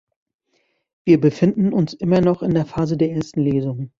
Wir befinden uns immer noch in der Phase der ersten Lesung.